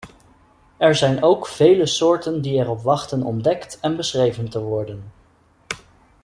Er zijn ook vele soorten die erop wachten ontdekt en beschreven te worden.